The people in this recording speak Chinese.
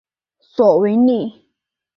索维尼。